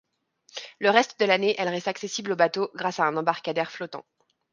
Le reste de l'année, elle reste accessible aux bateaux grâce à un embarcadère flottant.